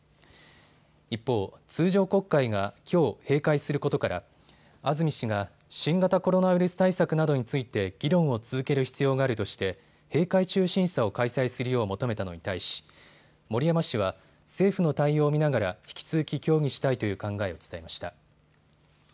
一方、通常国会がきょう閉会することから安住氏が新型コロナウイルス対策などについて議論を続ける必要があるとして閉会中審査を開催するよう求めたのに対し森山氏は、政府の対応を見ながら引き続き協議したいという考えを伝えました。